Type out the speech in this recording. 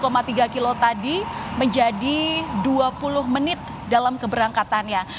menempuh jarak satu tiga kilometer tadi menjadi dua puluh menit dalam keberangkatannya